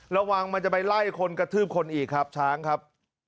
มันจะไปไล่คนกระทืบคนอีกครับช้างครับ